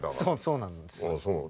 そうなんです。